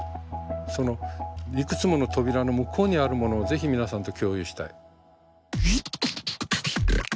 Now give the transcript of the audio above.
そのいくつもの扉の向こうにあるものをぜひ皆さんと共有したい。